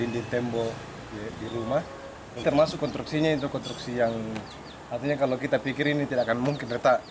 di tembok di rumah termasuk konstruksinya itu konstruksi yang artinya kalau kita pikir ini tidak akan mungkin retak